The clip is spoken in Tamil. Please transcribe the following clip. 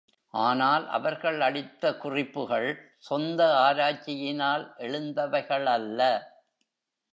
ஆனால் அவர்கள் அளித்த குறிப்புகள் சொந்த ஆராய்ச்சியினால் எழுந்தவைகளல்ல.